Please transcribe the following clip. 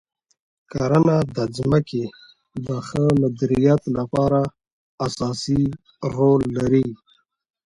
کرنه د ځمکې د ښه مدیریت لپاره اساسي رول لري.